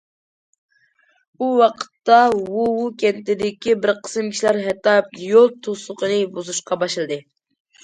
بۇ ۋاقىتتا ۋۇۋۇ كەنتىدىكى بىر قىسىم كىشىلەر ھەتتا يول توسۇقىنى بۇزۇشقا باشلىدى.